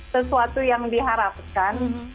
sesuatu yang diharapkan